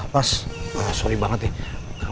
mas sorry banget ya